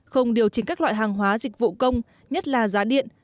không điều chỉnh các loại hàng hóa dịch vụ công nhất là giá điện